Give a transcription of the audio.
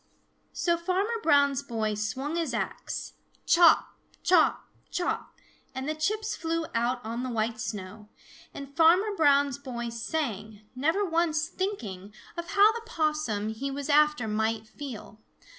So Farmer Brown's boy swung his axe, chop, chop, chop, and the chips flew out on the white snow, and Farmer Brown's boy sang, never once thinking of how the Possum he was after might feel.